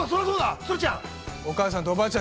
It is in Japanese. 鶴ちゃん。